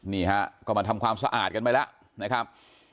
นี่ฮะก็มาทำความสะอาดกันไปแล้วนะครับ